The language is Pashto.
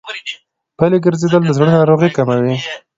پلي ګرځېدل د زړه ناروغۍ کموي.